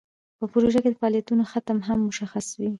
په پروژه کې د فعالیتونو ختم هم مشخص وي.